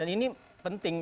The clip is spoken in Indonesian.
dan ini penting